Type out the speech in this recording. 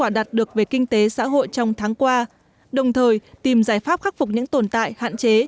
và kết quả đạt được về kinh tế xã hội trong tháng qua đồng thời tìm giải pháp khắc phục những tồn tại hạn chế